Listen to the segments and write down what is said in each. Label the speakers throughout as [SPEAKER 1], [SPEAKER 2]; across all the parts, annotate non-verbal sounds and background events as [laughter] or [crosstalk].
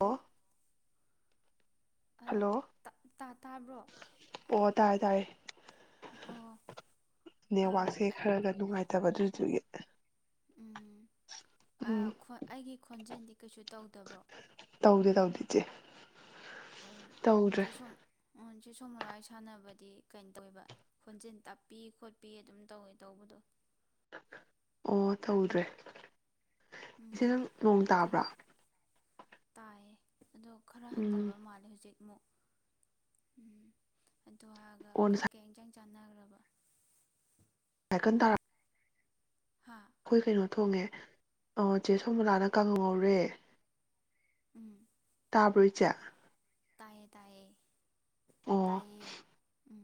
[SPEAKER 1] Hello hello
[SPEAKER 2] ꯇꯥꯕ꯭ꯔꯣ
[SPEAKER 1] ꯑꯣ ꯇꯥꯔꯦ ꯇꯥꯔꯦ
[SPEAKER 2] ꯑꯣ ꯑ
[SPEAKER 1] ꯅꯦꯠꯋꯥꯛꯁꯦ ꯈꯔꯒ ꯅꯨꯡꯉꯥꯏꯇꯕ ꯑꯗꯨꯗꯨꯒꯤ [unintelligible]
[SPEAKER 2] ꯎꯝ ꯑꯥ
[SPEAKER 1] ꯎꯝ
[SPEAKER 2] ꯑꯥꯈꫭꯏ ꯑꯩꯒꯤ ꯈꯣꯟꯖꯦꯜꯗꯤ ꯀꯩꯁꯨ ꯇꯧꯗꯕ꯭ꯔꯣ
[SPEAKER 1] ꯇꯧꯗꯦ ꯇꯧꯗꯦ ꯏꯆꯦ ꯇꯧꯗ꯭ꯔꯦ
[SPEAKER 2] ꯑꯣ ꯁꯦ ꯁꫭꯃꫭꯂꯥꯏ ꯍꫭꯏ ꯁꯥꯟꯅꯕꯗꯤ ꯀꯩꯅꯣ ꯇꯧꯋꯦꯕ ꯈꯣꯟꯖꯤꯜ ꯇꯞꯄꯤ ꯈꯣꯠꯄꯤ ꯑꯗꯨꯝ ꯇꯧꯋꯦ ꯇꯧꯕꯗꯤ
[SPEAKER 1] ꯑꯣ ꯇꯧꯗ꯭ꯔꯦ ꯏꯆꯦ
[SPEAKER 2] ꯎꯝ
[SPEAKER 1] ꯅꯪ ꯅꯣꯡ ꯇꯥꯕ꯭ꯔꯥ
[SPEAKER 2] ꯇꯥꯏ ꯑꯗꯣ ꯈꯔ
[SPEAKER 1] ꯎꯝ
[SPEAKER 2] ꯍꯟꯊꯕ ꯃꯥꯜꯂꯦ ꯍꯧꯖꯤꯛ ꯃ ꯎꯝ ꯑꯗꯨ ꯍꯒ
[SPEAKER 1] ꯑꯣ ꯉꯁꯥꯏ
[SPEAKER 2] ꯀꯩꯀꯩ ꯏꯟ ꯆꯪ ꯆꯥꯟꯅꯈ꯭ꯔꯕ
[SPEAKER 1] ꯍꯥꯏꯀꯟ ꯇꯔ
[SPEAKER 2] ꯍꯥ
[SPEAKER 1] ꯑꯩꯈꯣꯏ ꯀꯩꯅꯣ ꯊꯣꯡꯉꯦ ꯑ ꯆꯦ ꯁꯣꯃꯂꯥꯅ ꯀꯥꯉꯧꯍꯧꯔꯦ
[SPEAKER 2] ꯎꯝ
[SPEAKER 1] ꯇꯥꯕ꯭ꯣꯏ ꯆ
[SPEAKER 2] ꯇꯌꯦꯦ ꯇꯌꯦ
[SPEAKER 1] ꯑꯣ
[SPEAKER 2] ꯇꯥꯏꯌꯦ ꯎ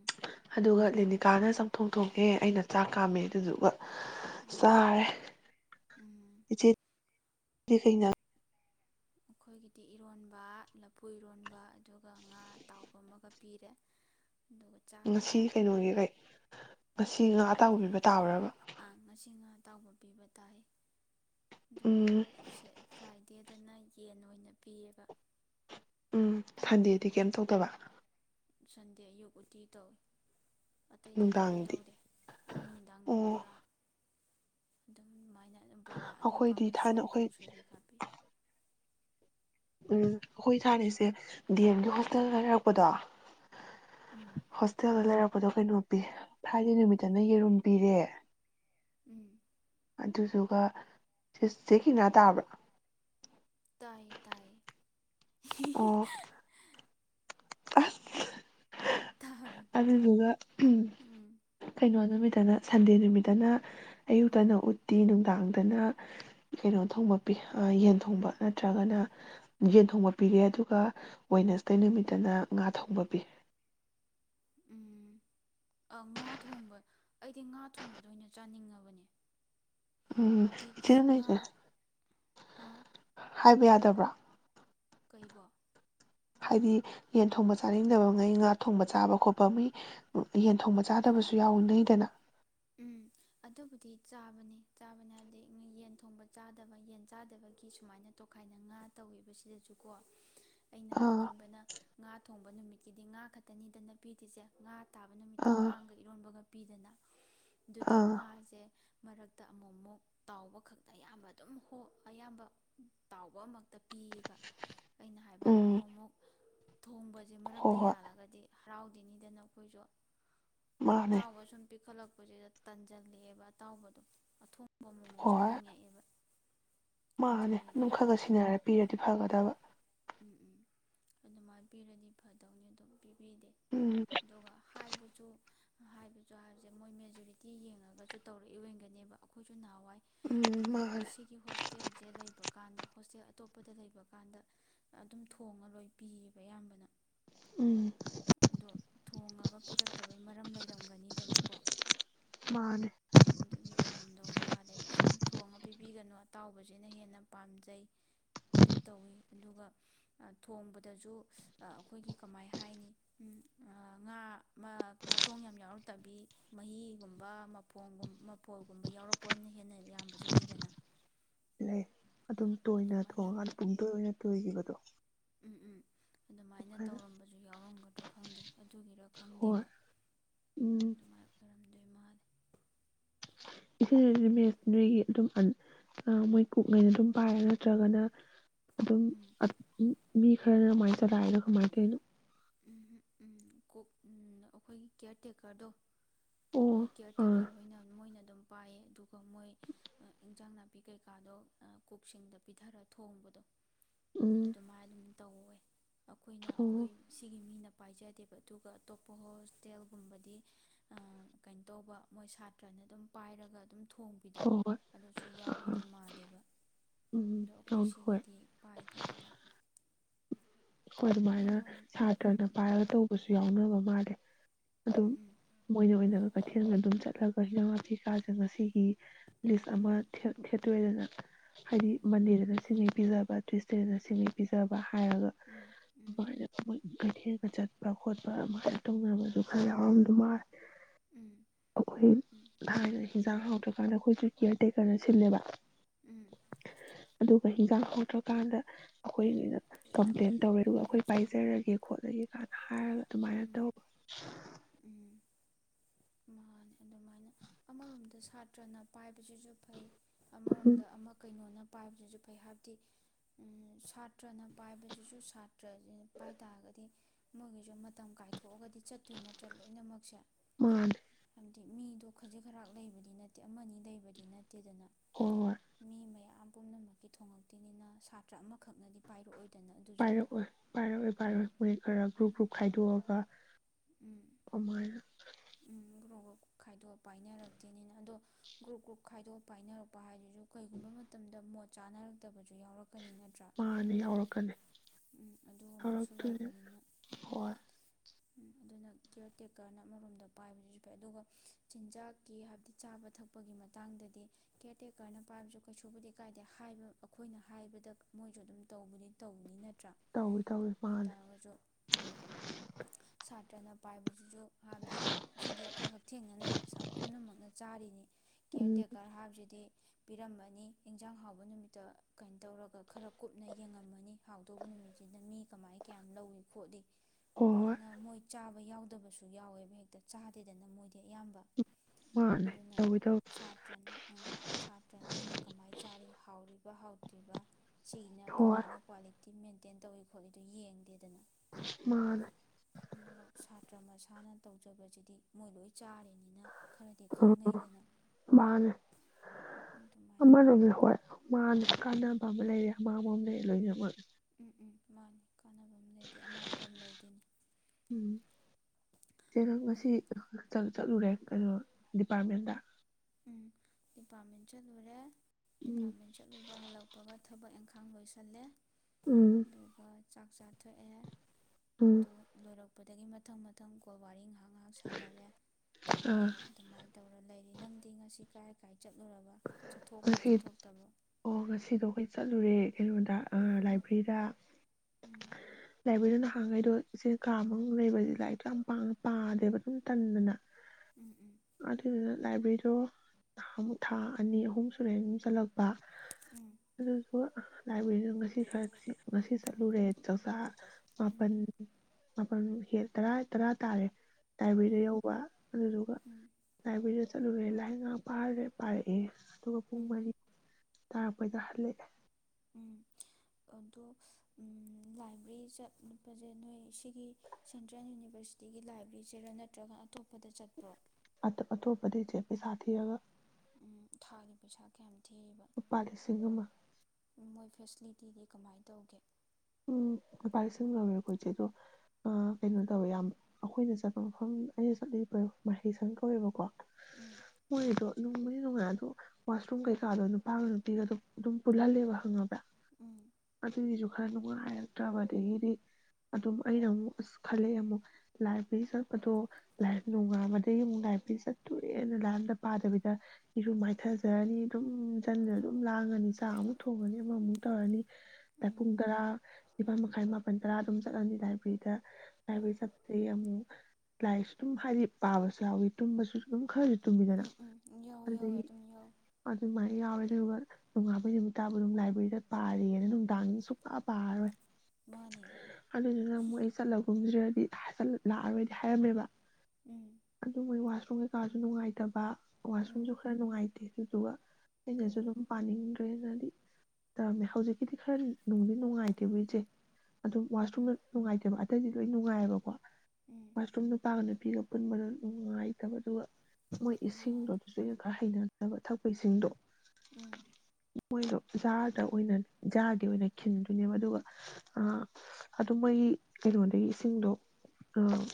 [SPEAKER 1] ꯑꯗꯨꯒ ꯂꯦꯅꯤꯀꯥꯅ ꯆꯝꯊꯣꯡ ꯊꯣꯛꯣꯡꯑꯦ ꯑꯩꯅ ꯆꯥꯛ ꯀꯥꯝꯃꯦ ꯑꯗꯨꯗꯨꯒ
[SPEAKER 2] ꯎꯝ ꯎꯝ
[SPEAKER 1] ꯁꯥꯔꯦꯆ ꯗꯩꯅ
[SPEAKER 2] ꯑꯩꯈꯣꯏꯒꯤꯗꯤ ꯏꯔꯣꯟꯕ ꯂꯐꯨ ꯏꯔꯣꯟꯕ ꯑꯗꯨꯒ ꯉꯥ ꯑꯇꯥꯎꯕ ꯑꯃꯒ ꯄꯤꯔꯦ ꯑꯗꯨꯒ
[SPEAKER 1] ꯉꯁꯤ
[SPEAKER 2] ꯆꯥꯈ꯭ꯔꯦ
[SPEAKER 1] ꯀꯩꯅꯣꯒꯤ ꯀꯩ ꯉꯁꯤ
[SPEAKER 2] ꯎꯝ
[SPEAKER 1] ꯉꯥ
[SPEAKER 2] ꯎꯝ
[SPEAKER 1] ꯑꯇꯥꯎꯕꯤꯕ ꯇꯥꯕ꯭ꯔꯕ
[SPEAKER 2] ꯑꯥ ꯉꯁꯤ ꯉꯥ ꯑꯇꯥꯎꯕ ꯄꯤꯕ ꯇꯥꯏ ꯑꯗꯨꯒ
[SPEAKER 1] ꯎꯝ
[SPEAKER 2] ꯐ꯭ꯔꯥꯏꯗꯦꯗ ꯅꯥꯏ ꯌꯦꯟ ꯑꯣꯏꯅ ꯄꯤꯌꯦꯕ
[SPEAKER 1] ꯎꯝ
[SPEAKER 2] ꯑꯗꯨꯒꯤ
[SPEAKER 1] ꯁꯟꯗꯦꯗꯤ ꯀꯩꯝ ꯇꯧꯗꯕ
[SPEAKER 2] ꯁꯟꯗꯦ ꯌꯌꯨꯛ ꯎꯇꯤ ꯇꯧꯋꯤ ꯑꯇꯩꯗꯤ ꯀꯩꯝ
[SPEAKER 1] ꯅꯨꯡꯗꯥꯡꯒꯤꯗꯤ
[SPEAKER 2] ꯇꯧꯗꯦ ꯅꯨꯃꯤꯗꯥꯡꯗ
[SPEAKER 1] ꯑꯣ
[SPEAKER 2] ꯕꯣꯔꯥ ꯑꯗꯨ ꯑꯗꯨ ꯃꯥꯏꯅ ꯕꯣꯔꯥ ꯑꯗꯨꯒ
[SPEAKER 1] ꯑꯩꯈꯣꯏꯗꯤ ꯊꯥꯏꯅ
[SPEAKER 2] ꯀꯥꯡꯁꯣꯏ
[SPEAKER 1] ꯑꯩꯈꯣꯏ
[SPEAKER 2] ꯀꯥꯡꯁꯣꯏꯗꯦ ꯀꯥꯞꯄꯤ
[SPEAKER 1] ꯎꯝ ꯑꯩꯈꯣꯏ ꯊꯥꯅꯁꯦ ꯗꯤ ꯑꯦꯝꯒꯤ ꯍꯣꯁꯇꯦꯜꯗꯔꯛꯄꯗꯣ
[SPEAKER 2] ꯎꯝ
[SPEAKER 1] ꯍꯁꯦꯂꯦ ꯗꯣ ꯀꯩꯅꯣꯤ ꯐꯥꯏꯗꯦ ꯅꯨꯃꯤꯠꯇꯅ ꯌꯦꯔꯨꯝ ꯄꯤꯔꯦ
[SPEAKER 2] ꯎꯝ
[SPEAKER 1] ꯑꯗꯨꯗꯨꯒ ꯁꯤ ꯆꯦ ꯀꯅ ꯇꯥꯕ꯭ꯔꯥ
[SPEAKER 2] ꯇꯥꯏꯌꯦ ꯇꯥꯏꯌꯦ
[SPEAKER 1] ꯑꯣ
[SPEAKER 2] ꯍ
[SPEAKER 1] ꯑꯁ
[SPEAKER 2] ꯇꯥꯔꯦ
[SPEAKER 1] ꯑꯗꯨꯗꯨꯒ
[SPEAKER 2] ꯎꯝ
[SPEAKER 1] ꯎ ꯀꯩꯅꯣ ꯅꯨ ꯅ ꯁꯟꯗꯦ ꯅꯨꯃꯤꯠꯇꯅ
[SPEAKER 2] ꯎꯝ
[SPEAKER 1] ꯑꯌꯨꯛꯇꯅ ꯎꯠꯇꯤ ꯇꯥꯡꯗꯅ ꯀꯩꯅꯣ ꯊꯣꯡꯕ ꯄꯤ ꯌꯦꯟ ꯊꯣꯡꯕ ꯅꯠꯇ꯭ꯔꯒꯅ ꯌꯦꯟ ꯊꯣꯡꯕ ꯄꯤꯔꯦ ꯑꯗꯨꯒ ꯋꯦꯅꯦꯁꯗꯦ ꯅꯨꯃꯤꯠꯇꯅ ꯉꯥ ꯊꯣꯡꯕ ꯄꯤ
[SPEAKER 2] ꯎꯝ ꯑ ꯉꯥ ꯊꯣꯡꯕ ꯑꯩꯗꯤ ꯉꯥ ꯊꯣꯡꯕꯗ ꯑꯣꯏꯅ ꯆꯥꯅꯤꯡꯉꯕꯅꯦ
[SPEAKER 1] ꯎꯝ
[SPEAKER 2] ꯍꯥꯏꯕꯗꯤ
[SPEAKER 1] ꯏꯆꯁꯨ
[SPEAKER 2] ꯉꯥ
[SPEAKER 1] ꯂꯩꯁꯦ
[SPEAKER 2] ꯍꯥ
[SPEAKER 1] ꯍꯥꯏꯕ ꯌꯥꯗꯕ꯭ꯔꯥ
[SPEAKER 2] ꯀꯩꯕ
[SPEAKER 1] ꯍꯥꯏꯗꯤ ꯌꯦꯟ ꯊꯣꯡꯕ ꯆꯥꯅꯤꯡꯗꯕꯉꯩ ꯉꯥ ꯊꯣꯡꯕ ꯆꯥꯕ ꯈꯣꯠꯄ ꯃꯤ ꯌꯦꯟ ꯊꯣꯡꯕ ꯆꯥꯗꯕꯁꯨ ꯌꯥꯎꯋ ꯅꯩꯗꯅ
[SPEAKER 2] ꯎꯝ ꯑꯗꯨꯕꯨꯗꯤ ꯆꯥꯕꯅꯦ ꯆꯥꯕꯅꯤ ꯍꯥꯏꯕꯗꯤ ꯌꯦꯟ ꯊꯣꯡꯕ ꯆꯥꯗꯕ ꯌꯦꯟ ꯆꯥꯗꯕꯒꯤ ꯁꯨꯃꯥꯏꯅ ꯇꯣꯈꯥꯏꯅ ꯉꯥ ꯇꯧꯋꯦꯕ ꯁꯤꯗꯁꯨꯀꯣ
[SPEAKER 1] ꯑꯥ
[SPEAKER 2] ꯉꯥ ꯊꯣꯡꯕ ꯅꯨꯃꯤꯠꯀꯤꯗꯤ ꯉꯥ ꯈꯛꯇꯅꯤꯗꯅꯄꯤꯤꯔꯤꯁꯦ ꯉꯥ ꯇꯥꯕ ꯅꯨꯃꯤꯠꯇꯤ
[SPEAKER 1] ꯑꯥ
[SPEAKER 2] ꯉꯥꯡꯒ ꯏꯔꯣꯟꯕꯒ ꯄꯤꯗꯅ ꯑꯗꯨꯗ
[SPEAKER 1] ꯑꯥ
[SPEAKER 2] ꯉꯥꯁꯦ ꯃꯔꯛꯇ ꯑꯃꯨꯛꯃꯨꯛ ꯇꯥꯎꯕ ꯈꯛꯇ ꯑꯌꯥꯝꯕ ꯑꯗꯨꯝ ꯑꯌꯥꯝꯕ ꯇꯥꯎꯕꯃꯛꯇ ꯄꯤꯌꯦꯕ ꯑꯩꯅꯣ ꯍꯥꯏꯕꯅ
[SPEAKER 1] ꯎꯝ
[SPEAKER 2] ꯑꯃꯨꯛꯃꯨꯛ ꯊꯣꯡꯕꯁꯦ ꯃꯔꯛꯇ
[SPEAKER 1] ꯍꯣꯏ ꯍꯣꯏ
[SPEAKER 2] ꯌꯥꯜꯂꯒꯗꯤ ꯍꯔꯥꯎꯗꯅꯤꯗꯅ ꯑꯩꯈꯣꯏꯁꯨ ꯑ
[SPEAKER 1] ꯃꯥꯅꯦ
[SPEAKER 2] ꯑꯋꯥꯖ ꯄꯤꯈꯠꯂꯛꯄꯁꯤꯗ ꯇꯟꯁꯤꯜꯂꯤꯦꯕ ꯑꯇꯥꯎꯕꯗꯣ ꯑꯊ ꯑ ꯑꯃꯃꯨꯛ
[SPEAKER 1] ꯍꯣꯏ ꯍꯣꯏ
[SPEAKER 2] ꯆꯥꯅꯤꯡꯉꯛꯑꯦꯕ
[SPEAKER 1] ꯃꯥꯅꯦ
[SPEAKER 2] ꯑꯗꯨꯅꯤꯗ
[SPEAKER 1] ꯑꯗꯨꯝ ꯈꯔ ꯈ ꯁꯤꯟꯅꯔ ꯄꯤꯔꯒꯦ ꯗꯤ ꯐꯒꯗꯕ
[SPEAKER 2] ꯎꯝ ꯎꯝ ꯑꯗꯨꯃꯥꯏꯅ ꯄꯤꯔꯗꯤ ꯐꯗꯧꯅꯤ ꯑꯗꯨꯝ ꯄꯤꯕꯤꯗꯦ
[SPEAKER 1] ꯎꯝ
[SPEAKER 2] ꯑꯗꯨꯒ ꯍꯥꯏꯕꯁꯨ ꯍꯥꯏꯕꯁꯨ ꯍꯥꯏꯕꯁꯦ ꯃꯣꯏ ꯃꯦꯖꯣꯔꯤꯇꯤ ꯌꯦꯡꯉꯒꯁꯨ ꯇꯧꯔꯛꯏ ꯑꯣꯏꯒꯅꯦꯕ ꯑꯩꯈꯣꯏꯁꯨ ꯅꯍꯥꯟꯋꯥꯏ
[SPEAKER 1] ꯎꯝ
[SPEAKER 2] ꯦꯝꯕꯤꯦꯒꯤ
[SPEAKER 1] ꯃꯥꯅꯦ
[SPEAKER 2] ꯍ ꯍꯣꯁꯇꯦꯜꯁꯦ ꯂꯩꯕ ꯀꯥꯟꯗ ꯍꯣꯁꯇꯦꯜ ꯑꯇꯣꯞꯄꯗ ꯂꯩꯕ ꯀꯥꯟꯗ ꯑꯗꯨꯝ ꯊꯣꯡꯉ ꯂꯣꯏ ꯄꯤꯌꯦꯕ ꯑꯌꯥꯝꯕꯅ
[SPEAKER 1] ꯎꯝ
[SPEAKER 2] ꯑꯗꯣ ꯊꯣꯡꯉꯒ ꯄꯤꯔꯛꯇꯕꯩ ꯃꯔꯝ ꯂꯩꯔꯝꯒꯅꯤꯗꯅꯀꯣ
[SPEAKER 1] ꯃꯥꯅꯦ
[SPEAKER 2] ꯑꯗꯨꯒꯤ ꯑꯣꯏꯔꯝꯗꯧ ꯃꯥꯜꯂꯦꯕ ꯁꯨꯝ ꯊꯣꯡꯉ ꯄꯤꯕꯤꯒꯅꯨ ꯑꯇꯥꯎꯕꯁꯤꯅ ꯍꯦꯟꯅ ꯄꯥꯝꯖꯩ ꯑꯗꯨ ꯇꯧꯋꯤ ꯑꯗꯨꯒ ꯊꯣꯡꯕꯗꯁꯨ ꯑꯩꯈꯣꯏꯒꯤ ꯀꯃꯥꯏ ꯍꯥꯏꯅꯤ ꯉꯥ ꯃꯊꯣꯡ ꯌꯥꯝ ꯌꯥꯎꯔꯛꯇꯕꯤ ꯃꯍꯤꯒꯨꯝꯕ ꯃꯐꯣꯡꯒ ꯃꯐꯣꯜꯒꯨꯝꯕ ꯌꯥꯎꯔꯛꯄꯅ ꯍꯦꯟꯅ ꯌꯥꯝꯕꯁꯨ ꯂꯩꯗꯅ
[SPEAKER 1] ꯂꯩ ꯑꯗꯨꯝ ꯇꯣꯏꯅ
[SPEAKER 2] ꯑꯗꯨꯃꯥꯏꯅ
[SPEAKER 1] ꯊꯣꯡꯉꯒ ꯑꯗꯨ ꯄꯨꯡ ꯇꯣꯏꯅ ꯇꯣꯏꯈꯤꯕꯗꯣ
[SPEAKER 2] ꯎꯝ ꯎꯝ ꯑꯗꯨꯃꯥꯏꯅ
[SPEAKER 1] ꯁꯨꯃꯥꯏꯅ
[SPEAKER 2] ꯇꯧꯔꯝꯕꯁꯨ ꯌꯥꯎꯔꯝꯒꯗ꯭ꯔꯣ ꯈꯪꯗꯦ ꯑꯗꯨꯒꯤꯔꯛ
[SPEAKER 1] ꯍꯣꯏ
[SPEAKER 2] ꯈꯪꯗꯦꯕ
[SPEAKER 1] ꯎꯝ
[SPEAKER 2] ꯑꯗꯨꯃꯥꯏꯅ ꯑꯣꯏꯔꯝꯗꯣꯏ ꯃꯥꯅꯤ
[SPEAKER 1] ꯏ ꯃꯦꯆꯅꯔꯤꯒꯤ ꯑꯗꯨꯝ ꯃꯣꯏ ꯀꯛꯉꯩꯅ ꯑꯗꯨꯝ ꯄꯥꯏꯔꯦ ꯅꯠꯇ꯭ꯔꯒꯅ ꯑꯗꯨꯝ
[SPEAKER 2] ꯎꯝ
[SPEAKER 1] ꯑ ꯎꯝ ꯃꯤ ꯈꯔꯅ ꯅꯨꯡꯉꯥꯏ ꯆꯔꯏꯅ ꯀꯃꯥꯏꯅ ꯇꯣꯏꯩꯅꯣ
[SPEAKER 2] ꯎꯝ ꯎꯝ ꯀꯣꯛ ꯑꯩꯈꯣꯏꯒꯤ ꯀꯤꯌꯥꯔ ꯇꯦꯛꯀꯔꯗꯣ
[SPEAKER 1] ꯑꯣ
[SPEAKER 2] ꯀꯦꯌꯔ
[SPEAKER 1] ꯑꯥ
[SPEAKER 2] ꯇꯦꯛꯀꯔ ꯍꯣꯏꯅ ꯃꯣꯏꯅ ꯑꯗꯨꯝ ꯄꯥꯏ ꯑꯗꯨꯒꯗꯨ ꯏꯟꯖꯥꯡ ꯅꯥꯄꯤ ꯀꯩꯀꯥꯗꯣ ꯀꯛꯁꯤꯡꯗ ꯄꯤꯊꯔ ꯊꯣꯡꯕꯗꯣ
[SPEAKER 1] ꯎꯝ
[SPEAKER 2] ꯑꯗꯨꯃꯥꯏ ꯑꯗꯨꯝ ꯇꯧꯋꯦ ꯑꯩꯈꯣꯏꯅ
[SPEAKER 1] ꯑꯣ
[SPEAKER 2] ꯑꯩꯈꯣꯏ꯫ ꯃꯤꯅ ꯄꯥꯏꯖꯗꯦꯕ ꯑꯗꯨꯒ ꯑꯇꯣꯞꯄ ꯍꯣꯁꯇꯦꯜꯒꯨꯝꯕꯗꯤ ꯀꯩꯅꯣ ꯇꯧꯕ ꯃꯣꯏ ꯁꯥꯇꯔꯅ ꯑꯗꯨꯝ ꯄꯥꯏꯔꯒ ꯑꯗꯨꯝ꯫
[SPEAKER 1] ꯍꯣꯏ
[SPEAKER 2] ꯊꯣꯡꯕꯤꯗꯣ
[SPEAKER 1] ꯍꯣꯏ
[SPEAKER 2] ꯑꯗꯨꯁꯨ
[SPEAKER 1] ꯑꯥ
[SPEAKER 2] ꯌꯥꯎꯗꯕ ꯃꯥꯟꯗꯦꯕ
[SPEAKER 1] ꯎꯝ
[SPEAKER 2] ꯑꯗꯣ ꯑꯩꯈꯣꯏ
[SPEAKER 1] ꯌꯥꯎ ꯍꯣꯏ
[SPEAKER 2] ꯁꯤꯒꯤꯗꯤ ꯄꯥꯏꯗꯦ ꯑꯃꯇ꯫
[SPEAKER 1] ꯑꯗꯨꯃꯥꯏꯅ ꯁꯥꯇ꯭ꯔꯅ
[SPEAKER 2] ꯎꯝ
[SPEAKER 1] ꯄꯥꯏꯔꯒ ꯇꯧꯕꯁꯨ ꯌꯥꯎꯅꯕ ꯃꯥꯜꯂꯦ꯫ ꯑꯗꯨꯝ
[SPEAKER 2] ꯎꯝ
[SPEAKER 1] ꯃꯣꯏꯅ ꯑꯣꯏꯅ꯫ ꯀꯩꯊꯦꯜꯒ ꯑꯗꯨꯝ ꯆꯠꯂꯒ ꯍꯦꯟꯖꯥꯡ ꯅꯥꯄꯤ ꯀꯩꯀꯥꯁꯦ ꯉꯁꯤꯒꯤ꯫ ꯂꯤꯏ ꯑꯃ
[SPEAKER 2] ꯎꯝ
[SPEAKER 1] ꯊꯦꯠ ꯇꯣꯏꯑꯦꯗꯅ꯫ ꯍꯥꯏꯗꯤ
[SPEAKER 2] ꯎꯝ
[SPEAKER 1] ꯃꯟꯗꯦꯗꯅ ꯁꯤ ꯅꯤ꯫ ꯄꯤꯖꯕ ꯇ꯭ꯋꯤꯁꯗꯦꯅ ꯁꯤꯅꯤ ꯄꯤꯖꯕ ꯍꯥꯏꯔ꯫
[SPEAKER 2] ꯎꯝ ꯎꯝ
[SPEAKER 1] [unintelligible] ꯀꯊꯦꯡꯒ ꯆꯠꯄ ꯈꯣꯠꯄ ꯑꯗꯨꯃꯥꯏꯅ ꯇꯧꯅꯕꯁꯨ ꯈꯔ ꯌꯥꯎꯔꯝꯗꯨ ꯃꯥꯂꯦ꯫
[SPEAKER 2] ꯎꯝ
[SPEAKER 1] ꯑꯩꯈꯣꯏ
[SPEAKER 2] ꯎꯝ
[SPEAKER 1] ꯊꯥꯏꯅ ꯏꯟꯖꯥꯡ ꯍꯥꯎꯗ꯭ꯔꯀꯥꯟꯗ ꯑꯩꯈꯣꯏꯁꯨ ꯀꯦꯌꯔ ꯇꯦꯀꯔꯅ ꯁꯤꯜꯂꯦꯕ꯫
[SPEAKER 2] ꯎꯝ꯫
[SPEAKER 1] ꯑꯗꯨꯒ ꯍꯤꯟꯖꯥꯡ ꯈꯣꯠꯇ꯭ꯔꯀꯥꯟꯗ꯫
[SPEAKER 2] ꯎꯝ
[SPEAKER 1] ꯑꯩꯈꯣꯏ
[SPEAKER 2] ꯎꯝ
[SPEAKER 1] ꯒꯩꯅ [unintelligible] ꯇꯧꯋꯦ
[SPEAKER 2] ꯎꯝ
[SPEAKER 1] ꯑꯗꯨꯒ
[SPEAKER 2] ꯎꯝ
[SPEAKER 1] ꯑꯩꯈꯣꯏ ꯄꯥꯏꯖꯔꯒꯦ꯫ ꯈꯣꯠꯅꯒꯦ ꯀꯥꯏꯅ ꯍꯥꯏꯔꯒ꯫ ꯑꯗꯨꯃꯥꯏ
[SPEAKER 2] ꯎꯝ
[SPEAKER 1] ꯇꯧ
[SPEAKER 2] ꯎꯝ ꯃꯥꯅꯦ ꯑꯗꯨꯃꯥꯏꯅ ꯑꯃꯔꯣꯝꯗ ꯁꯥꯇ꯭ꯔꯅ ꯄꯥꯏꯕꯁꯤꯁꯨ ꯐꯩ꯫ ꯑꯃꯔꯣꯝꯗ ꯑꯃ ꯀꯩꯅꯣꯅ꯫ ꯄꯥꯏꯕꯁꯤꯁꯨ ꯐꯩ ꯍꯥꯏꯕꯗꯤ ꯁꯥꯇ꯭ꯔꯅ ꯄꯥꯏꯕꯁꯤꯁꯨ ꯁꯥ [unintelligible] ꯄꯥꯏ ꯇꯥꯔꯒꯗꯤ꯫ ꯑꯃꯒꯤꯁꯨ ꯃꯇꯝ ꯀꯥꯏꯊꯣꯛꯑꯒꯗꯤ꯫ ꯆꯠꯇꯨꯏ ꯅꯠꯇ꯭ꯔꯥ ꯂꯣꯏꯅꯃꯛꯁꯦ꯫
[SPEAKER 1] ꯃꯥꯅꯦ
[SPEAKER 2] ꯃꯤꯗꯣ ꯈꯖꯤꯛ ꯈꯔꯥꯛ ꯂꯩꯕꯗꯤ ꯅꯠꯇꯦ ꯑꯃꯅꯤ ꯂꯩꯕꯗꯤ ꯅꯠ ꯇꯦꯗꯅ
[SPEAKER 1] ꯍꯣꯏ ꯍꯣꯏ
[SPEAKER 2] ꯃꯤ ꯃꯌꯥꯝ꯫ ꯃꯌꯥꯝ ꯄꯨꯝꯅꯃꯛꯀꯤ ꯊꯣꯉꯛꯇꯣꯏꯅꯤꯅ ꯁꯥꯇ꯭ꯔ ꯑꯃꯈꯛꯅꯗꯤ ꯄꯥꯏꯔꯛꯑꯣꯏ
[SPEAKER 1] ꯄꯥꯏꯔꯛꯑꯣꯏ ꯄꯥꯏꯔꯛꯑꯣꯏ ꯄꯥꯏꯔꯛꯑꯣꯏ ꯃꯣꯏ ꯈꯔ ꯒ꯭ꯔꯨꯞ
[SPEAKER 2] ꯎꯝ
[SPEAKER 1] ꯒ꯭ꯔꯨꯞ ꯈꯥꯏꯗꯣꯛꯑꯒ꯫ [unintelligible] ꯑꯃꯥꯏꯅ꯫
[SPEAKER 2] ꯎ ꯒ꯭ꯔꯨꯞ ꯒ꯭ꯔꯨꯞ ꯈꯥꯏꯗꯣꯛꯑ ꯄꯥꯏꯅꯔꯛꯇꯦꯅꯤꯅ ꯑꯗꯣ ꯒ꯭ꯔꯨꯞ ꯒ꯭ꯔꯨꯞ ꯈꯥꯏꯗꯣꯛꯑ ꯄꯥꯏꯅꯔꯛꯄ ꯍꯥꯏꯗꯨꯗꯤ ꯀꯩꯒꯨꯝꯕ ꯃꯇꯝꯗ ꯃꯣꯠ ꯆꯥꯅꯔꯛꯇꯕꯁꯨ ꯌꯥꯎꯔꯛ
[SPEAKER 1] ꯃꯥꯅꯦ ꯌꯥꯎꯔꯛꯀꯅꯤ
[SPEAKER 2] ꯎꯝ
[SPEAKER 1] ꯁꯥꯎꯔꯛ
[SPEAKER 2] ꯑꯗꯨꯒꯨꯝꯕꯁꯨ
[SPEAKER 1] ꯇꫭꯏꯅꯦ
[SPEAKER 2] ꯂꯩꯕꯅꯤꯅ ꯎꯝ
[SPEAKER 1] ꯍꫭꯏ
[SPEAKER 2] ꯑꯗꯨꯅ ꯀꯦꯌꯔ ꯇꯦꯛꯀꯔꯅ ꯑꯃꯔꯣꯝꯗ ꯄꯥꯏꯕꯗꯨꯁꯨ ꯐꯩ ꯑꯗꯨꯒ ꯆꯤꯟꯖꯥꯛꯀꯤ ꯍꯥꯏꯕꯗꯤ ꯆꯥꯕ ꯊꯛꯄꯒꯤ ꯃꯇꯥꯡꯗꯗꯤ ꯀꯦꯌꯔ ꯇꯦꯛꯀꯔꯅ ꯄꯥꯏꯕꯁꯨ ꯀꯩꯁꯨꯕꯨꯗꯤ ꯀꯥꯏꯗꯦ ꯍꯥꯏꯕ ꯑꯩꯈꯣꯏꯅ ꯍꯥꯏꯕꯗ ꯃꯣꯏꯁꯨ ꯑꯗꯨꯝ ꯇꯧꯕꯗꯤ ꯇꯧꯕꯅꯤ ꯅꯠꯇꯦ ꯅꯠꯇ꯭ꯔꯥ
[SPEAKER 1] ꯇꯧꯏ ꯇꯧꯏ
[SPEAKER 2] ꯑꯗꯨ
[SPEAKER 1] ꯃꯥꯅꯦ
[SPEAKER 2] ꯑꯣꯏꯇꯥꯔꯒꯁꯨ ꯎꯝ ꯁꯥꯠ ꯠꯇꯅ ꯄꯥꯏꯕꯁꯤꯁꯨ ꯍꯥꯏꯕꯗꯤ ꯁꯤꯗꯤ ꯑꯩꯈꯣꯏ ꯍꯛꯊꯦꯡꯅꯅ ꯄꯨꯝꯅꯃꯛꯅ ꯆꯥꯔꯤꯅꯤ ꯀꯦꯌꯔ
[SPEAKER 1] ꯎꯝ
[SPEAKER 2] ꯇꯦꯀꯔ ꯍꯥꯏꯕꯁꯤ ꯄꯤꯔꯝꯃꯅꯤ ꯏꯟꯖꯥꯡ ꯍꯥꯎꯕ ꯅꯨꯃꯤꯠꯇ ꯀꯩꯅꯣ ꯇꯧꯔꯒ ꯈꯔ ꯀꯨꯞꯅ ꯌꯦꯡꯉꯝꯃꯅꯤ ꯍꯥꯎ ꯑꯗꯨꯒꯤ ꯅꯨꯃꯤꯠꯁꯤꯗ ꯃꯤ ꯀꯃꯥꯏ ꯀꯌꯥꯝ ꯂꯧꯏꯤ ꯈꯣꯠꯂꯤ
[SPEAKER 1] ꯍꯣꯏ ꯍꯣꯏ
[SPEAKER 2] ꯄꯥꯛꯅ ꯃꯣꯏ ꯆꯥ ꯌꯥꯎꯗꯕꯁꯨ ꯌꯥꯎꯋꯦꯕ ꯍꯦꯛꯇ ꯆꯥꯗꯦꯗꯅ ꯃꯣꯏꯗꯤ ꯑꯌꯥꯝꯕ
[SPEAKER 1] ꯃꯥꯅꯦ
[SPEAKER 2] ꯑꯗꯨꯅ
[SPEAKER 1] ꯇꯧꯏ ꯇꯧꯏ
[SPEAKER 2] ꯁꯥꯇ꯭ꯔꯅ ꯁꯥꯇ꯭ꯔ ꯃꯣꯏꯅ ꯀꯃꯥꯏꯅ ꯆꯥꯔꯤ ꯍꯥꯎꯔꯤꯕ ꯕ ꯍꯥꯎꯇꯤꯕ ꯁꯤꯅ
[SPEAKER 1] ꯍꯣꯏ
[SPEAKER 2] ꯀꯃꯥꯏꯅ ꯀ꯭ꯋꯥꯂꯤꯇꯤ ꯇꯤ ꯃꯦꯟꯇꯦꯟ ꯇꯧꯏ ꯈꯣꯠꯂꯤ ꯑꯗꯨ ꯌꯦꯡꯗꯦ
[SPEAKER 1] ꯃꯥꯅꯦ
[SPEAKER 2] ꯇ꯭ꯔ ꯃꯁꯥꯅ ꯇꯧꯖꯕꯖꯤꯗꯤ ꯃꯣꯏ ꯂꯣꯏ ꯆꯥꯔꯤꯅꯤꯅ ꯈꯔꯗꯤ
[SPEAKER 1] ꯑꯣ
[SPEAKER 2] ꯈꯪꯅꯩꯗꯅ
[SPEAKER 1] [unintelligible] ꯃꯥꯅꯦ
[SPEAKER 2] ꯑꯗꯨꯃꯥꯏꯅ
[SPEAKER 1] ꯑꯃꯅꯕꯤ ꯍꫭꯏ ꯃꯥꯅꯦ ꯀꯥꯟꯅꯕ ꯑꯃ ꯂꯩꯔꯦ ꯑꯃꯥꯡꯕ ꯑꯃ ꯂꯩꯔꯦ ꯂꯣꯏꯅꯃꯛ
[SPEAKER 2] ꯎꯝ ꯎꯝ ꯃꯥꯅꯤ ꯀꯥꯟꯅꯕ ꯑꯃ ꯂꯩꯇꯦ ꯑꯃꯥꯡꯕ
[SPEAKER 1] [unintelligible]
[SPEAKER 2] ꯑꯃ ꯂꯩꯗꯨꯅꯤ
[SPEAKER 1] ꯎꯝ ꯀꯩꯅꫭ ꯉꯁꯤꯗꯤ ꯀꯩꯅꫭ ꯈꯔ ꯆꯪ ꯆꯠꯂꯨꯔꯦ ꯀꯩꯅꯣ ꯗꯤꯄꯥꯔꯠꯃꯦꯟꯗ
[SPEAKER 2] ꯎꯝ ꯗꯤꯄꯥꯔꯠꯃꯦꯟ ꯆꯠꯂꯨꯔꯦ
[SPEAKER 1] ꯎꯝ
[SPEAKER 2] ꯗꯤꯄꯥꯔꯠꯃꯦꯟ ꯆꯠꯂꯨꯕ ꯍꯜꯂꯛꯄꯒ ꯊꯕꯛ ꯏꯪ ꯈꯥꯡ ꯂꯣꯏꯁꯜꯂꯦ
[SPEAKER 1] ꯎꯝ
[SPEAKER 2] [unintelligible] ꯗꯨꯒ ꯆꯥꯛꯆꯥ ꯊꯣꯛꯑꯦ
[SPEAKER 1] ꯎꯝ
[SPEAKER 2] ꯗꯨ ꯂꯣꯏꯔꯛ ꯂꯄꯗꯒꯤ ꯃꯊꯪ ꯃꯊꯪ ꯀꫭꯜ ꯋꯥꯔ ꯉ ꯍꯥꯛ ꯉꯍꯥꯛ ꯁꯥꯟꯅꯔꯦ
[SPEAKER 1] ꯑꯥ
[SPEAKER 2] ꯑꯗꯨꯃꯥꯏꯅ ꯇꯧꯔꯦ ꯂꯩꯔꯤ ꯅꯪ ꯗꯤ ꯉꯁꯤ ꯀꯥꯏ ꯀꯥꯏ ꯆꯠꯂꯨꯔꯕ ꯆꯠꯊꯣꯛꯄ꯭ꯔꯣ
[SPEAKER 1] ꯉꯁꯤ
[SPEAKER 2] ꯆꯠꯊꯣꯛꯇꯕ꯭ꯔꯣ
[SPEAKER 1] ꯑꯣ ꯉꯁꯤꯗꯣ ꯑꯩꯈꯣꯏ ꯆꯠꯂꯨꯔꯦ ꯀꯩꯅꯣꯗ
[SPEAKER 2] ꯎꯝ
[SPEAKER 1] ꯂꯥꯏꯕ꯭ꯔꯦꯔꯤꯗ
[SPEAKER 2] ꯎꯝ
[SPEAKER 1] ꯂꯥꯏꯕꯦꯔꯤ ꯅ ꯄꯥꯡꯉꯩꯗꯣ ꯏꯆꯦ ꯀꯥ ꯃꯉꯨꯡ ꯂꯩꯕꯁꯦ ꯂꯥꯏꯔꯤꯛꯇꯣ ꯌꯥꯝ ꯄꯥꯗꯦꯕ ꯑꯗꯨꯝ ꯇꯟꯗꯅ
[SPEAKER 2] ꯎꯝ ꯎꯝ
[SPEAKER 1] ꯑꯗꯨꯗꯨꯅꯥ ꯂꯥꯏꯕ꯭ꯔꯤꯗꯣ __ ꯊꯥ ꯑꯅꯤ ꯑꯍꯨꯝ ꯁꯨꯔꯦ ꯑꯗꯨꯝ ꯆꯜꯂꯛꯄ
[SPEAKER 2] ꯎꯝ
[SPEAKER 1] ꯑꯗꯨ ꯂꯥꯏꯕ꯭ꯔꯦꯔꯤꯗꯣ ꯉꯁꯤ ꯈꯔ ꯉꯁꯤ
[SPEAKER 2] ꯎꯝ
[SPEAKER 1] ꯆꯠꯂꯨꯔꯦ ꯆꯥꯛꯆꯥ
[SPEAKER 2] ꯎꯝ
[SPEAKER 1] ꯃꯥꯄꯜ ꯃꯥꯄꯜ ꯍꯦ ꯇꯔꯥ ꯇꯔꯥ ꯇꯥꯔꯦ ꯂꯥꯏꯕ꯭ꯔꯤꯗ
[SPEAKER 2] ꯎꯝ
[SPEAKER 1] ꯌꯧꯕ ꯑꯗꯨꯗꯨꯒ
[SPEAKER 2] ꯎꯝ
[SPEAKER 1] ꯂꯥꯏꯕ꯭ꯔꯤꯗ ꯆꯠꯂꯨꯔꯦ ꯂꯥꯏꯔꯤꯛ ꯉꯥꯍꯛ ꯄꯥꯔꯨꯔꯦ ꯄꯔꯛꯑꯦ ꯑꯗꯨꯒ ꯄꯨꯡ
[SPEAKER 2] ꯎꯝ
[SPEAKER 1] ꯃꯔꯤ ꯇꯥꯔꯛꯄꯩꯗ ꯍꯜꯂꯛꯑꯦ
[SPEAKER 2] ꯑꯗꯣ ꯎꯝ ꯂꯥꯏꯕꯔꯤ ꯆꯠꯂꯄꯁꯦ ꯅꯣꯏ ꯁꯤꯒꯤ ꯁꯦꯟꯇ꯭ꯔꯦꯟ ꯌꯨꯅꯤꯚꯔꯁꯤꯇꯤꯒꯤ ꯂꯥꯏꯕ꯭ꯔꯤꯁꯤꯔꯥ ꯅꯠꯇ꯭ꯔꯒꯅ ꯑꯇꯣꯞꯄ
[SPEAKER 1] ꯑ ꯑꯇꯣꯄꯗ [unintelligible] ꯄꯩꯁꯥ ꯊꯤꯔꯥꯒ
[SPEAKER 2] ꯎꯝ ꯊꯥꯒꯤ ꯄꯩꯁꯥ ꯀꯌꯥꯅꯣ
[SPEAKER 1] ꯂꯨꯄꯥ ꯂꯤꯁꯤꯡ ꯑꯃ
[SPEAKER 2] ꯃꯣꯏ ꯐꯦꯁꯤꯂꯤꯇꯤꯗꯤ ꯀꯃꯥꯏ ꯇꯧꯒꯦ
[SPEAKER 1] ꯎꯝ ꯂꯨꯄꯥ ꯂꯤꯁꯤꯡ ꯂꯧꯋꯦꯀꯣ ꯏꯆꯦ ꯑꯗꯣ ꯀꯩꯅꯣ ꯇꯧꯋꯦ ꯌꯥꯝ ꯑꯩꯈꯣꯏꯅ ꯆꯠꯄ ꯃꯐꯝ ꯑꯩꯅ ꯆꯠꯂꯤꯕ ꯃꯍꯩꯁꯪ ꯀꯧꯋꯦꯕꯀꯣ
[SPEAKER 2] ꯎꯝ
[SPEAKER 1] ꯃꯣꯏꯗꯣ ꯅꯨꯡꯕꯨꯗꯤ ꯅꯨꯡꯉꯥꯏ ꯑꯗꯣ ꯋꯥꯁꯔꯨꯝ ꯀꯩꯀꯥꯗꯣ ꯅꯨꯄꯥꯒ ꯅꯨꯄꯤꯒꯗ ꯑꯗꯨꯝ ꯄꯨꯜꯍꯜꯂꯦꯕ ꯈꯪꯉꯕ꯭ꯔꯥ
[SPEAKER 2] ꯎꯝ
[SPEAKER 1] [unintelligible] ꯈꯔ ꯅꯨꯡꯉꯥꯏꯔꯛꯇ꯭ꯔꯕ ꯑꯗꯒꯤꯗꯤ ꯑꯗꯨꯝ ꯑꯩꯅ ꯑꯃꯨꯛ ꯑꯁ ꯈꯜꯂꯛꯑꯦ ꯑꯃꯨꯛ ꯂꯥꯏꯕ꯭ꯔꯤ ꯆꯠꯄꯗꯣ ꯂꯥꯏ ꯅꯣꯡꯉꯥꯟꯕꯗꯒꯤ ꯑꯃꯨꯛ ꯂꯥꯏꯕ꯭ꯔꯤ ꯆꯠꯇꯨꯔꯦꯅ ꯂꯥꯏꯔꯤꯛꯑꯝꯇꯥ ꯄꯥꯗꯕꯤꯗ ꯏꯔꯨ ꯃꯥꯏꯊꯖꯔꯅꯤ ꯑꯗꯨꯝ ꯖꯟꯖ ꯑꯗꯨꯝ ꯂꯥꯡꯉꯅꯤ ꯆꯥꯛ ꯑꯃꯨꯛ ꯊꯣꯡꯉꯅꯤ ꯑꯃꯃꯨꯛ ꯇꯧꯔꯅꯤ
[SPEAKER 2] ꯎꯝ
[SPEAKER 1] ꯄꯨꯡ ꯇꯔꯥ ꯅꯤꯄꯥꯜ ꯃꯈꯥꯏ ꯃꯥꯄꯜ ꯇꯔꯥ ꯑꯗꯨꯝ ꯆꯠꯂꯅꯤ ꯂꯥꯏꯕ꯭ꯔꯤꯗ ꯂꯥꯏꯕꯔ꯭ꯤ
[SPEAKER 2] ꯎꯝ
[SPEAKER 1] ꯆꯠꯄꯗꯩ ꯑꯃꯨꯛ ꯂꯥꯏꯔꯤꯛꯁꯨ ꯑꯗꯨꯝ ꯍꯥꯏꯗꯤ ꯄꯥꯕꯁꯨ ꯌꯥꯎꯋꯤ ꯇꯨꯝꯕꯁꯨ ꯑꯗꯨꯝ ꯈꯔꯁꯨ ꯇꯨꯝꯃꯤꯗꯅ
[SPEAKER 2] ꯎꯝ ꯎꯝ ꯌꯥꯎꯋꯦ ꯌꯥꯎꯋꯦ
[SPEAKER 1] ꯑꯗꯨꯗꯨꯒꯤ
[SPEAKER 2] ꯑꯗꯨꯝ ꯌꯥꯎꯋꯦ
[SPEAKER 1] ꯑꯗꯨꯃꯥꯏ ꯌꯥꯎꯔꯦ ꯑꯗꯨꯗꯨꯒ__ ꯅꯣꯡꯉꯥꯕꯩ ꯅꯨꯃꯤꯠꯠꯇꯥꯕꯨ ꯑꯗꯨꯝ ꯂꯥꯏꯕ꯭ꯔꯤꯗ ꯄꯥꯔꯦꯅ ꯅꯨꯡꯗꯥꯡ__ ꯁꯨꯛꯄ ꯄꯥꯔꯣꯏ
[SPEAKER 2] ꯃꯥꯅꯤ
[SPEAKER 1] ꯑꯗꯨꯗꯨꯅ ꯑꯃꯨꯛ ꯑꯩ ꯆꯠꯂꯒꯒꯨꯝꯁꯤ꯭ꯔ ꯂꯥꯛꯑꯔꯣꯏꯗꯤ ꯍꯥꯏꯔꯝꯃꯦꯕ
[SPEAKER 2] ꯎꯝ
[SPEAKER 1] ꯑꯗꯨ ꯃꯩ ꯋꯥꯁ ꯁꯨꯝ ꯀꯩꯀꯥꯁꯨ ꯅꯨꯡꯉꯥꯏꯇꯕ
[SPEAKER 2] ꯎꯝ
[SPEAKER 1] ꯋꯥꯥꯁꯔꯨꯝꯖꯤ ꯈ꯭ꯔꯥ ꯅꯨꯡꯉꯥꯏꯇꯦ ꯁꯤ ꯇ ꯑꯩꯁꯨ
[SPEAKER 2] ꯎꯝ
[SPEAKER 1] ꯑꯗꯨꯝ ꯄꯅꯤ ꯇ꯭ꯔꯦꯅꯗꯤ ꯇꯝꯃꯦ ꯍꯧꯖꯤꯛꯀꯤꯗꯤ ꯈꯔ ꯅꯣꯡꯗꯤ ꯅꯅꯨꯡꯉꯥꯏꯇꯆꯦ ꯑꯗꯨꯝ ꯋꯥꯁꯔꯨꯝꯗ
[SPEAKER 2] ꯎꯝ
[SPEAKER 1] ꯅꯨꯡꯉꯥꯏꯇꯦꯕ ꯍꯗꯤ ꯂꯣꯏ ꯅꯨꯡꯉꯥꯏꯑꯕꯀꯣ
[SPEAKER 2] ꯎꯝ
[SPEAKER 1] ꯋꯥꯁꯔꯝꯅ ꯄꯥꯅꯤ ꯅꯨꯄꯤꯒ ꯄꯨꯟꯕꯗꯣ ꯅꯨꯡꯉꯥꯏꯇꯕ ꯑꯗꯨꯒ ꯃꯣꯏ ꯏꯁꯤꯡꯗꯣ
[SPEAKER 2] ꯃꯥꯅꯦ
[SPEAKER 1] ꯑꯗꯨꯁꯨ ꯈꯔ ꯍꯩꯅꯗꯕ ꯊꯛꯄ ꯏꯁꯤꯡꯗꯣ
[SPEAKER 2] ꯎꯝ
[SPEAKER 1] ꯃꯣꯏꯗꯣ ꯖꯥꯔꯗ ꯑꯣꯏꯅ ꯖꯥꯔꯒꯤ ꯑꯣꯏꯅ ꯈꯤꯟꯗꯣꯏꯅꯦꯕ ꯑꯗꯨꯒ ꯑꯗꯨꯝ ꯃꯣꯏꯒꯤ ꯀꯩꯅꯣꯗꯒꯤ ꯏꯁꯤꯡꯗꯣ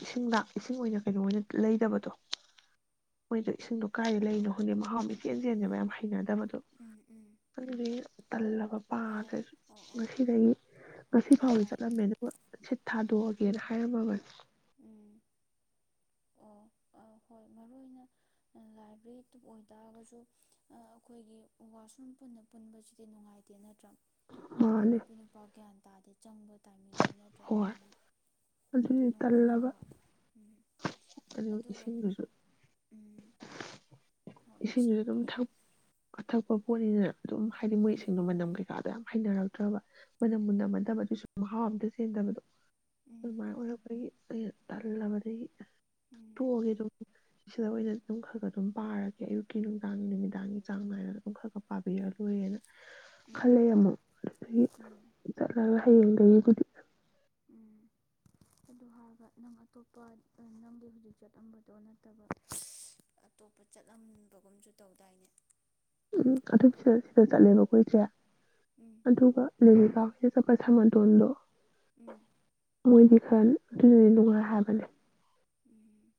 [SPEAKER 1] ꯏꯁꯤꯡꯗ ꯏꯁꯤꯡ ꯑꯣꯏꯅ ꯀꯩꯅꯣ ꯑꯣꯏꯅ ꯂꯩꯗꯕꯗꯣ ꯃꯣꯏꯗꯣ ꯏꯁꯤꯡꯗꯣ ꯀꯥꯏꯗ ꯂꯩꯔꯤꯅꯣ ꯈꯪꯗꯦ ꯃꯍꯥꯎ ꯏꯆꯦꯟ ꯆꯦꯟꯗꯕ ꯌꯥꯝ ꯍꯩꯅꯗꯕꯗꯣ
[SPEAKER 2] ꯎꯝ ꯎꯝ
[SPEAKER 1] ꯇꯂꯕ
[SPEAKER 2] ꯑꯣ
[SPEAKER 1] ꯄꯥꯗ
[SPEAKER 2] ꯑꯣ ꯑꯣ
[SPEAKER 1] ꯁꯤꯗꯒꯤ ꯉꯁꯤ
[SPEAKER 2] ꯑꯣ
[SPEAKER 1] ꯐꯥꯎꯗꯤ
[SPEAKER 2] ꯑꯗꯨꯃꯥꯏ
[SPEAKER 1] ꯆꯠꯂꯝꯃꯦ ꯑꯗꯨꯒ ꯁꯤꯠ
[SPEAKER 2] ꯎꯝ
[SPEAKER 1] ꯊꯥꯗꯣꯛꯑꯒꯦꯅ ꯍꯥꯏꯔꯝꯃꯕꯅꯤ
[SPEAKER 2] ꯎꯝ ꯑꯣ ꯍꯣꯏ ꯃꯔꯨ ꯑꯣꯏꯅ ꯂꯥꯏꯕ꯭ꯔꯦꯔꯤꯗꯨ ꯑꯣꯏꯇꯥꯔꯒꯁꯨ ꯑꯩꯈꯣꯏꯒꯤ ꯋꯥꯁꯔꯨꯝ ꯄꯨꯟꯅ ꯄꯨꯟꯕꯁꯤꯗꯤ ꯅꯨꯡꯉꯥꯏꯇꯦ ꯅꯠꯇ꯭ꯔꯥ ꯑꯗꯨꯗꯤ
[SPEAKER 1] ꯃꯥꯅꯦ
[SPEAKER 2] ꯅꯨꯄꯤ ꯅꯨꯄꯥꯒ꯭ꯌꯥꯟ ꯇꯥꯗ ꯆꯪꯕ ꯇꯥꯏꯃꯤꯡꯁꯤ ꯅꯠꯇ꯭ꯔꯦ
[SPEAKER 1] ꯍꯣꯏ
[SPEAKER 2] ꯑꯗꯨꯗꯨꯅ ꯑꯩꯉꯣꯟꯗ ꯅꯨꯡꯉꯥꯏꯕ ꯋꯥꯠꯦ ꯎ
[SPEAKER 1] ꯑꯗꯨ ꯏꯁꯤꯡ ꯔꯁꯨ
[SPEAKER 2] ꯎꯝ ꯍꯣꯏ
[SPEAKER 1] ꯏꯁꯤꯡꯖ ꯑꯗꯨꯝ
[SPEAKER 2] ꯏꯁꯤꯡꯗꯨꯁꯨ
[SPEAKER 1] ꯊ ꯀ ꯊ ꯀ ꯀꯔꯤꯅ ꯑꯗꯨꯝ ꯍꯥꯏꯗꯤ
[SPEAKER 2] ꯎꯝ
[SPEAKER 1] ꯃꯣꯏꯁꯤꯡꯗꯨꯣ ꯃꯅꯝ ꯀꯩꯀꯥꯗ ꯍꯩꯅꯔꯛꯇ꯭ꯔꯕ ꯃꯅꯝ ꯃꯨꯟꯅꯃꯗꯕ ꯑꯗꯨꯁꯨ ꯃꯍꯥꯎ ꯑꯝꯇ ꯆꯦꯟꯗꯕꯗꯣ ꯎ
[SPEAKER 2] ꯎꯝ
[SPEAKER 1] ꯃ ꯑꯣꯂꯄꯒꯤ ꯇꯂꯕꯗꯤ
[SPEAKER 2] ꯎꯝ
[SPEAKER 1] ꯊꯒꯦ ꯇ ꯁꯤꯗ ꯑꯣꯏꯅꯗꯤ ꯑꯗꯨꯝ ꯈꯔ ꯈꯔ ꯑꯗꯨꯝ ꯄꯥꯔꯒ ꯑꯌꯨꯛꯀꯤ ꯅꯨꯡꯗꯥꯡ ꯅꯨꯃꯤꯗꯥꯡꯒꯤ ꯆꯥꯡ ꯅꯥꯏꯅ ꯑꯗꯨꯝ ꯈꯛ ꯈ ꯄꯥꯕꯤꯔꯛ ꯂꯣꯏꯔꯦꯅ
[SPEAKER 2] ꯎꯝ
[SPEAKER 1] ꯀꯂꯌꯥꯃꯣ
[SPEAKER 2] ꯎꯝ
[SPEAKER 1] ꯑꯗꯨꯅꯂ ꯍꯌꯦꯡꯗꯒꯤꯕꯨꯗꯤ
[SPEAKER 2] ꯎꯝ ꯑꯗꯨ ꯍꯥꯏꯒ ꯅꯪ ꯑꯇꯣꯞꯄ ꯅꯪꯒꯤ ꯍꯧꯖꯤꯛ ꯆꯠꯂꯝꯝꯕꯗꯣ ꯅꯠꯇꯕ ꯑꯇꯣꯞꯄ ꯆꯠꯂꯝꯕꯒꯨꯝꯁꯨ ꯇꯧꯗꯥꯏꯅꯦ
[SPEAKER 1] ꯎꯝ ꯑꯗꯨ ꯁꯤꯗ ꯁꯤꯗ ꯆꯠꯂꯦꯕ ꯀꯈꯣꯏꯁꯦ
[SPEAKER 2] ꯎꯝ
[SPEAKER 1] ꯑꯗꯨꯒ ꯂꯂꯤꯀ ꯆ ꯄ ꯊ ꯃ ꯇꯗ
[SPEAKER 2] ꯎꯝ
[SPEAKER 1] ꯃꯣꯏꯗꯤ ꯈꯔ ꯑꯗꯨꯅꯗꯤ ꯅꯨꯡꯉꯥꯏ ꯍꯥꯏꯕꯅꯦ
[SPEAKER 2] ꯎꯝ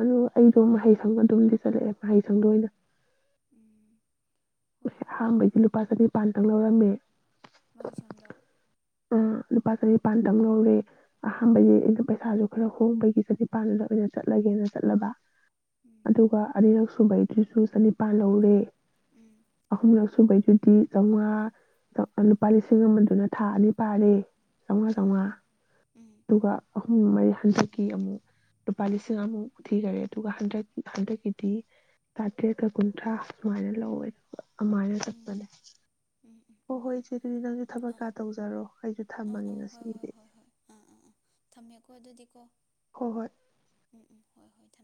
[SPEAKER 1] ꯑꯗꯨ
[SPEAKER 2] ꯍꯣꯏ
[SPEAKER 1] ꯑꯩꯗꯣ
[SPEAKER 2] ꯍꯣꯏ
[SPEAKER 1] ꯃꯍꯩꯁꯪ ꯑꯗꯨꯝꯗꯤ ꯆꯠꯂꯛꯑꯦꯕ ꯃꯍꯩ ꯈꯪꯗꯣꯏꯅ
[SPEAKER 2] ꯎꯝ ꯍꯣꯏ ꯍꯣꯏ
[SPEAKER 1] ꯑꯍꯥꯟꯕꯩꯗꯤ
[SPEAKER 2] ꯉꯥꯏꯈꯣ
[SPEAKER 1] ꯂꯨꯄꯥ ꯆꯅꯤꯄꯥꯥꯟꯗꯪ ꯂꯧꯔꯝꯃꯦ
[SPEAKER 2] ꯃꯍꯩ ꯁꯪꯗ
[SPEAKER 1] ꯑ ꯂꯨꯄꯥ ꯆꯅꯤ ꯄꯥꯟꯗꯝꯝꯅꯧꯔꯦ ꯑꯍꯥꯟꯕ
[SPEAKER 2] ꯎꯝ
[SPEAKER 1] ꯑꯗꯨꯝ ꯄꯩꯁꯥꯁꯨ ꯈꯔ ꯍꯣꯡꯕꯒꯤ ꯆꯅꯤꯄꯥꯟꯗ ꯑꯣꯏꯅ ꯆꯠꯂꯒꯦꯅ ꯆꯠꯂꯕ
[SPEAKER 2] ꯎꯝ
[SPEAKER 1] ꯑꯗꯨꯒ ꯑꯅꯤꯔꯛꯁꯨꯕꯩ ꯑꯗꯨꯁꯨ ꯆꯅꯤꯄꯥꯜ ꯂꯧꯔꯦ
[SPEAKER 2] ꯎꯝ
[SPEAKER 1] ꯑꯍꯨꯝꯂꯛ ꯁꯨꯕꯩꯗꯨꯗꯤ ꯆꯥꯝꯃꯉꯥ ꯂꯨꯄꯥ ꯂꯤꯁꯤꯡ ꯑꯃꯗꯨꯅ ꯊꯥ ꯑꯅꯤ ꯄꯥꯔꯦ ꯆꯥꯎꯉ
[SPEAKER 2] ꯎꯝ
[SPEAKER 1] ꯆꯥꯎꯉꯥ
[SPEAKER 2] ꯎꯝ
[SPEAKER 1] ꯑꯗꯨꯒ ꯃ ꯍꯟꯗꯛꯀꯤ ꯑꯃꯨꯛ ꯂꯨꯄꯥ ꯂꯤꯁꯤꯡ ꯑꯃꯨꯛ ꯎ ꯊꯤꯈꯔꯦ ꯑꯗꯨꯒ ꯍꯟꯗꯛ ꯍꯟꯗꯛꯀꯤꯗꯤ ꯆꯥꯇ꯭ꯔꯦꯠꯀ ꯀꯨꯟꯊ꯭ꯔꯥ ꯁꯨꯃꯥꯏꯅ ꯂꯧꯋꯦꯣ ꯑꯃꯥꯏꯅ
[SPEAKER 2] ꯎꯝ
[SPEAKER 1] ꯆꯠꯄꯅꯦ
[SPEAKER 2] ꯎꯝ ꯎꯝ
[SPEAKER 1] ꯍꯣꯏ ꯍꯣꯏ ꯏꯆꯦ ꯑꯗꯨꯗꯤ ꯅꯪꯁꯨ ꯊꯕꯛꯀꯥ
[SPEAKER 2] ꯑꯥ
[SPEAKER 1] ꯇꯧꯖꯔꯣ ꯑꯩꯁꯨ
[SPEAKER 2] ꯑꯥ
[SPEAKER 1] ꯊꯝꯃꯒꯦ
[SPEAKER 2] ꯑꯥ ꯍꯣꯏ ꯍꯣꯏ
[SPEAKER 1] ꯉꯁꯤꯒꯤꯗꯤꯗꯤ
[SPEAKER 2] ꯍꯣꯏ ꯀꯣ ꯎꯝ ꯎꯝ ꯍꯣꯏ ꯍꯣꯏ ꯊꯝꯃꯦ